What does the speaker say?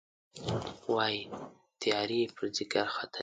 وايي، تیارې یې پر ځيګر ختلي